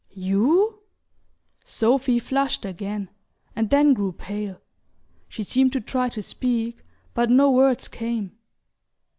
"You?" Sophy flushed again, and then grew pale. She seemed to try to speak, but no words came.